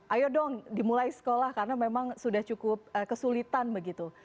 ayo dong dimulai sekolah karena memang sudah cukup kesulitan begitu